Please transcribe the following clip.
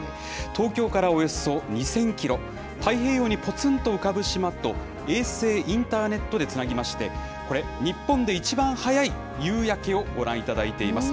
東京からおよそ２０００キロ、太平洋にぽつんと浮かぶ島と、衛星インターネットでつなぎまして、これ、日本で一番早い夕焼けをご覧いただいています。